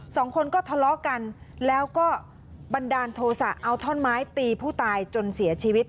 สองคนก็ทะเลาะกันแล้วก็บันดาลโทษะเอาท่อนไม้ตีผู้ตายจนเสียชีวิต